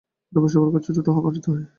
পরিবারের সবার কাছে ছোট হয়, অপমানিত হয়।